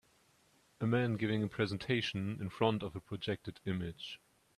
A man giving a presentation in front of a projected image